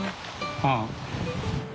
ああ。